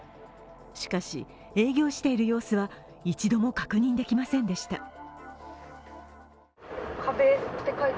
しかし、営業している様子は一度も確認できませんでした。